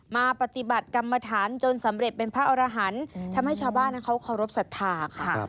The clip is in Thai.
มาปฏิบัติกรรมฐานจนสำเร็จเป็นพระอรหันต์ทำให้ชาวบ้านนั้นเขาเคารพสัทธาค่ะ